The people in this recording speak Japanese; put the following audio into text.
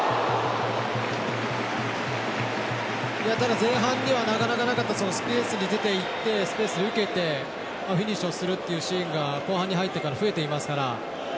前半にはなかなかなかった、スペースに出ていってスペースで受けてフィニッシュをするというシーンが後半に入ってから増えていますから。